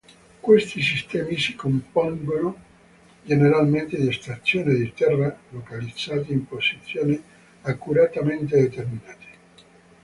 Questi sistemi si compongono generalmente di stazioni di terra, localizzate in posizioni accuratamente determinate.